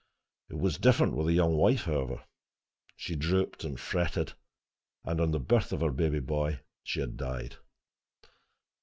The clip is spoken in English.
It was different with the young wife, however. She drooped and fretted, and on the birth of her baby boy, she had died.